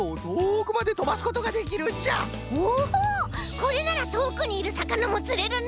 これならとおくいるさかなもつれるね！